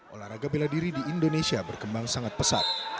olahraga bela diri di indonesia berkembang sangat pesat